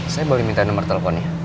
saya boleh minta nomor teleponnya